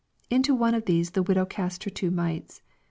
Into one of these the widow cast her two mites."